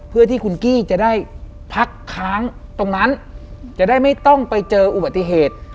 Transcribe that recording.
เพื่อที่คุณกี้จะได้พักค้างตรงนั้นจะได้ไม่ต้องไปเจออุบัติเหตุ